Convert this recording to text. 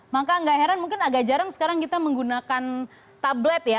maka nggak heran mungkin agak jarang sekarang kita menggunakan tablet ya